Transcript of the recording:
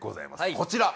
こちら！